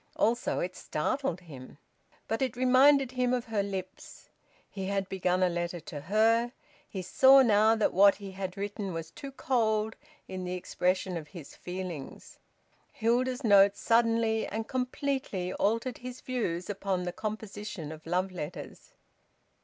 Also it startled him. But it reminded him of her lips. He had begun a letter to her. He saw now that what he had written was too cold in the expression of his feelings. Hilda's note suddenly and completely altered his views upon the composition of love letters.